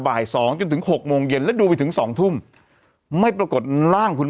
บ่าย๒จนถึง๖โมงเย็นแล้วดูไปถึง๒ทุ่มไม่ปรากฏร่างคุณ